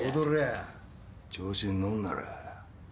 あ調子に乗んなら。